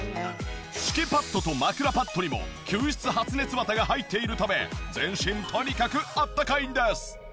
敷きパッドと枕パッドにも吸湿発熱綿が入っているため全身とにかくあったかいんです。